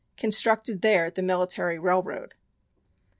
Constructed there the Military Railroad.